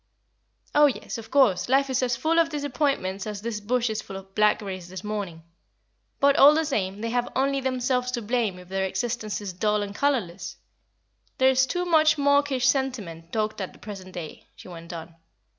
"Oh, yes, of course, life is as full of disappointments as this bush is full of blackberries this morning. But, all the same, they have only themselves to blame if their existence is dull and colourless. There is too much mawkish sentiment talked at the present day," she went on.